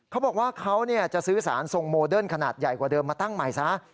เขาบอกว่าเขาจะซื้อสารทรงโมเดิร์นขนาดใหญ่กว่าเดิมมาตั้งใหม่ซะ